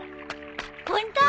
ホント！？